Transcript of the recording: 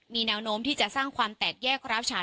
มีแนวโน้มที่จะสร้างความแตกแยกร้าวฉาน